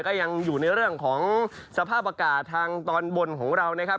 ก็ยังอยู่ในเรื่องของสภาพอากาศทางตอนบนของเรานะครับ